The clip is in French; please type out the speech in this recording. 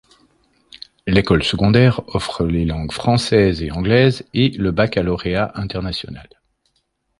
L'école secondaire offre les langues françaises et anglaises et le Baccalauréat international.